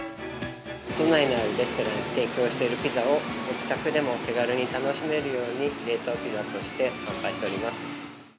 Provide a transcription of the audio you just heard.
都内にあるレストランで提供しているピザを、ご自宅でも手軽に楽しめるように、冷凍ピザとして販売しております。